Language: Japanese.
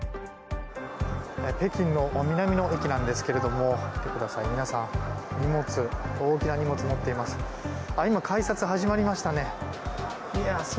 北京の南の駅なんですけど見てください、皆さん大きな荷物を持っています。